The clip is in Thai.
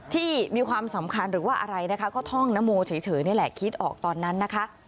ที่มีความสำคัญหรือว่าอะไรนะคะก็ท่องนโมเฉยนี่แหละคิดออกตอนนั้นนะคะ